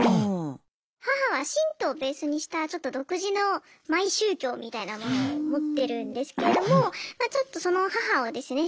母は神道をベースにしたちょっと独自のマイ宗教みたいなものを持ってるんですけれどもその母をですね